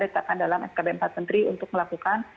ditetapkan dalam skb empat menteri untuk melakukan